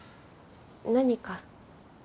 何か？